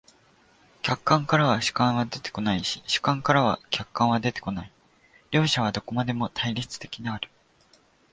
客観からは主観は出てこないし、主観からは客観は出てこない、両者はどこまでも対立的である。